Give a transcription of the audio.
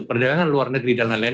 perdagangan luar negeri dan lain lain